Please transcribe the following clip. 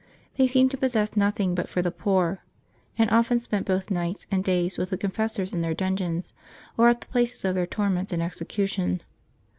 They seemed to possess nothing but for the poor, and often spent both nights and days with the confessors in their dungeons, or at the places of their torments and execution.